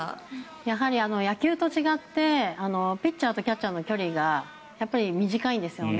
やはり野球と違ってピッチャーとキャッチャーの距離が短いんですよね。